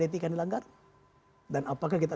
etika dilanggar dan apakah kita